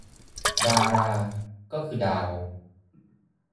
ดาราก็คือดาว